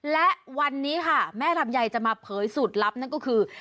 และวันนี้ค่ะแม่ลำไยจะมาเผยสูตรลับนั่นก็คือ